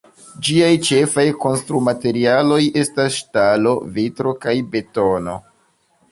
Ĝiaj ĉefaj konstrumaterialoj estas ŝtalo, vitro kaj betono.